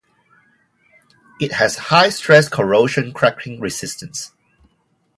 It has high stress corrosion cracking resistance.